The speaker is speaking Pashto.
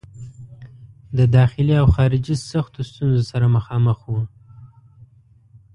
د داخلي او خارجي سختو ستونزو سره مخامخ وو.